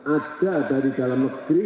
ada dari dalam negeri